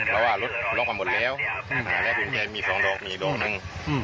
เราว่ารถร่องความหมดแล้วมีสองดอกมีดอกหนึ่ง